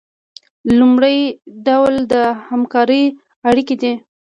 لومړی ډول د همکارۍ اړیکې دي.